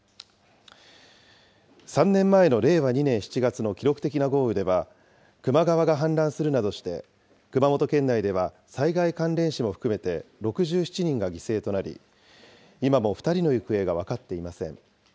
３年前の令和２年７月の記録的な豪雨では、球磨川が氾濫するなどして、熊本県内では災害関連死も含めて６７人が犠牲となり、今も２人の行方が分かっていません。